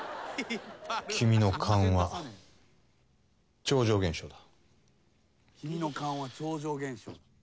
「君の勘は超常現象だ」